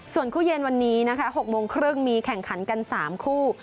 ส่วนคู่เย็นวันนี้นะคะ๖โมงครึ่งมีแข่งขันกัน๓คู่